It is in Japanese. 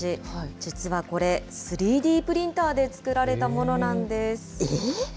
実はこれ、３Ｄプリンターで作られたものなんです。